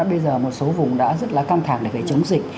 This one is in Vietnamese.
bây giờ một số vùng đã rất là căng thẳng để chống dịch